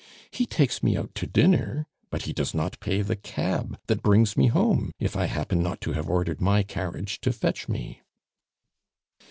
He takes me out to dinner, but he does not pay the cab that brings me home if I happen not to have ordered my carriage to fetch me."